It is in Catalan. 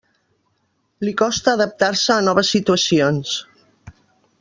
Li costa adaptar-se a noves situacions.